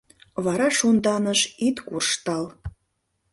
Вара шонданыш ит куржтал.